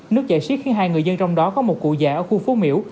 nước chạy xiết khiến hai người dân trong đó có một cụ già ở khu phố miễu